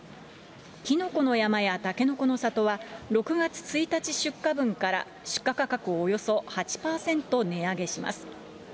きのこの山やたけのこの里は、６月１日出荷分から出荷価格をおよそ８％値上げします。